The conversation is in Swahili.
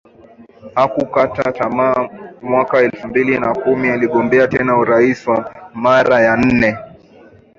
Hakukata tamaa mwaka elfu mbili na kumi aligombea tena urais kwa mara ya nne